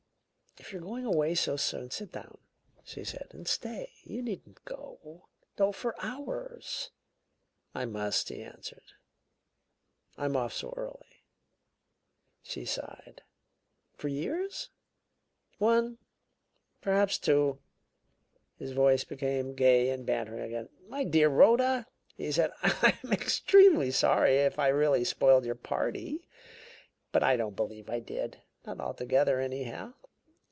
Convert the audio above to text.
"If you're going away so soon, sit down," she said, "and stay. You needn't go oh, for hours!" "I must," he answered. "I'm off so early." She sighed. "For years?" "One perhaps two." His voice became gay and bantering again. "My dear Rhoda," he said, "I'm extremely sorry if I really spoiled your party, but I don't believe I did not altogether, anyhow.